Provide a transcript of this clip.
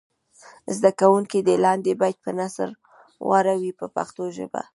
زده کوونکي دې لاندې بیت په نثر واړوي په پښتو ژبه.